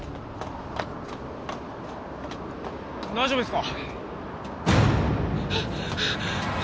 大丈夫ですか？